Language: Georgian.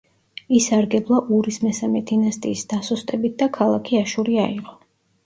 ისარგებლა ურის მესამე დინასტიის დასუსტებით და ქალაქი აშური აიღო.